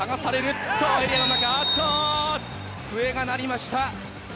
笛が鳴りました。